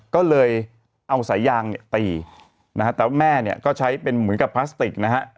ก็เลยเอาสายยางเนี่ยตีนะฮะแต่ว่าแม่เนี่ยก็ใช้เป็นเหมือนกับพลาสติกนะฮะ